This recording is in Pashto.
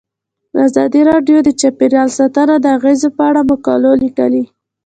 ازادي راډیو د چاپیریال ساتنه د اغیزو په اړه مقالو لیکلي.